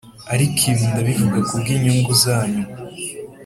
Ariko ibi ndabivuga ku bw inyungu zanyu